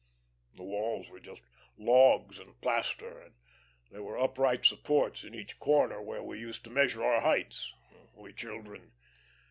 The walls were just logs and plaster, and there were upright supports in each corner, where we used to measure our heights we children.